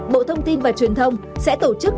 bộ thông tin và truyền thông sẽ tổ chức